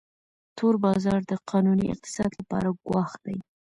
تور بازار د قانوني اقتصاد لپاره ګواښ دی